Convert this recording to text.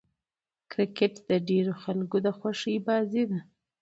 کرکټ د ډېرو خلکو د خوښي بازي ده.